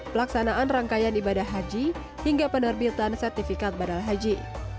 pelaksanaan rangkaian ibadah haji hingga penerbitan sertifikat badal haji